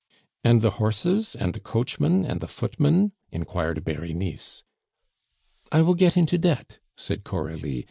"And the horses? and the coachman? and the footman?" inquired Berenice. "I will get into debt," said Coralie.